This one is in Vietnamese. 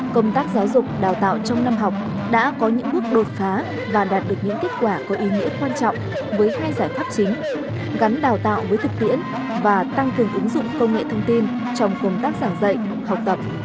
công tác giáo dục đào tạo trong năm học đã có những bước đột phá và đạt được những kết quả có ý nghĩa quan trọng với hai giải pháp chính gắn đào tạo với thực tiễn và tăng cường ứng dụng công nghệ thông tin trong công tác giảng dạy học tập